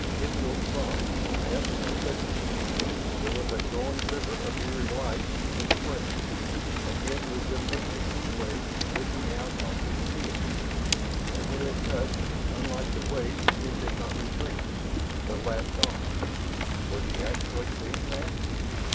Tendrils crossed, met, and thickened. There was a growing river of eerie light which spread, again resembling a sea wave licking out onto the field. And where it touched, unlike the wave, it did not retreat, but lapped on. Was he actually seeing that?